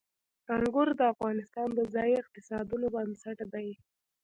انګور د افغانستان د ځایي اقتصادونو بنسټ دی.